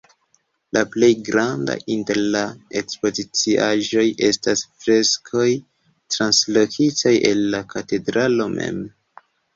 La plej grandaj inter la ekspoziciaĵoj estas freskoj, translokitaj el la katedralo mem.